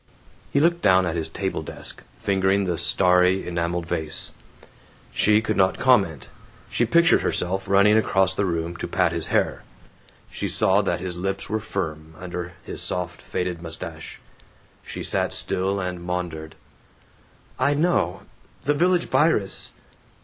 He looked down at his table desk, fingering the starry enameled vase. She could not comment. She pictured herself running across the room to pat his hair. She saw that his lips were firm, under his soft faded mustache. She sat still and maundered, "I know. The Village Virus.